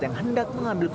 yang hendak mengambil